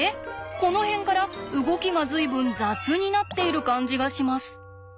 この辺から動きが随分雑になっている感じがします。